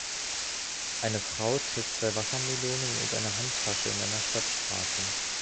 Eine Frau trägt zwei Wassermelonen und eine Handtasche in einer Stadtstraße.